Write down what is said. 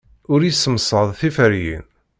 Ur yessemsad tiferyin.